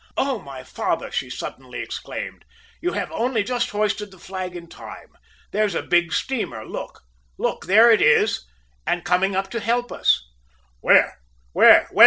"`Oh, my father,' she suddenly exclaimed. `You have only just hoisted the flag in time. There's a big steamer! Look, look! there it is, and coming up to help us!' "`Where? where?